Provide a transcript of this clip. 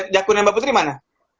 jakuna mbak putri mana